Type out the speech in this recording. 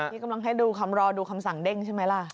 นี่กำลังให้ดูคำรอดูคำสั่งเด้งใช่ไหมล่ะ